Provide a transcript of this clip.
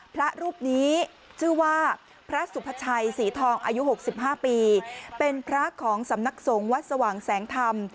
พระรูปนี้ชื่อว่าพระสุภาชัยศรีทองอายุ๖๕ปีเป็นพระของสำนักสงฆ์วัดสว่างแสงธรรม